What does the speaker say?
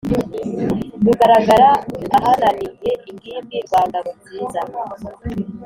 rugaragara ahananiye ingimbi rwa ngabo nziza,